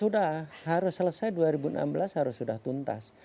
sudah harus selesai dua ribu enam belas harus sudah tuntas